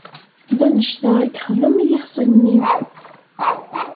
D annect-a i yexdem i yixṣimen-iw.